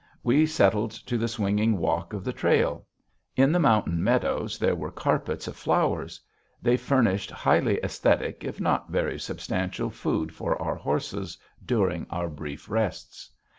We settled to the swinging walk of the trail. In the mountain meadows there were carpets of flowers. They furnished highly esthetic if not very substantial food for our horses during our brief rests.